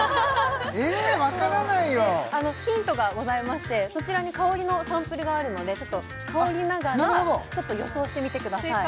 えわからないよヒントがございましてそちらに香りのサンプルがあるので香りながらちょっと予想してみてください